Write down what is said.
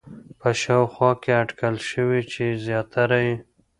په شاوخوا کې اټکل شوی چې زیاتره یې